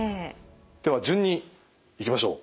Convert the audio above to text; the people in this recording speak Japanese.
では順にいきましょう。